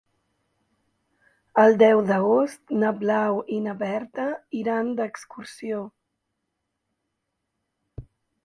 El deu d'agost na Blau i na Berta iran d'excursió.